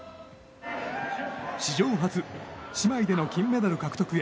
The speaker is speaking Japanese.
史上初姉妹での金メダル獲得へ。